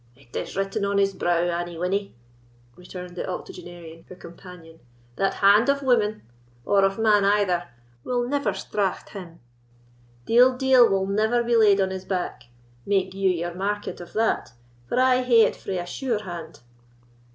"It is written on his brow, Annie Winnie," returned the octogenarian, her companion, "that hand of woman, or of man either, will never straught him: dead deal will never be laid on his back, make you your market of that, for I hae it frae a sure hand."